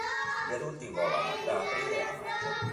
Gli adulti volano da aprile a maggio.